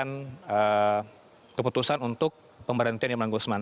ini adalah keputusan untuk pemerintian imran guzman